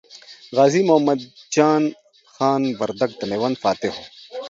غازي محمد جان خان وردګ د میوند فاتح و.